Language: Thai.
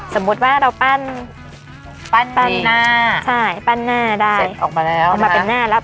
สมมุติว่าเราปั้นปั้นหน้าใช่ปั้นหน้าได้ออกมาแล้วออกมาเป็นหน้าแล้ว